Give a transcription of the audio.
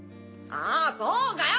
ああそうかよ！